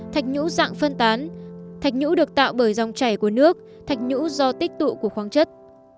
thạch nhũ dạng phân tán thạch nhũ được tạo bởi dòng chảy của nước thạch nhũ do tích tụ của khoáng chất